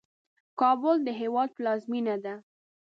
کابل د هیواد پلازمېنه ده.